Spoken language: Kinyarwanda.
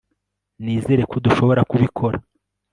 nizera ko dushobora kubikora